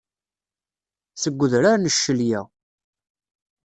Seg udrar n ccelya.